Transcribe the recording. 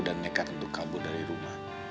dan nekat untuk kabur dari rumah